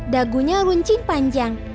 dagunya runcing panjang